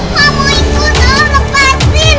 mamu ikut tolong lepasin